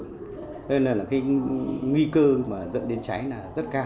thế nên là cái nguy cơ mà dẫn đến cháy là rất cao